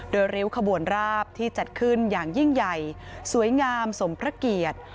โดยริ้วขบวนราบที่จัดขึ้นอย่างยิ่งใหญ่สวยงามสมพระเกียรติ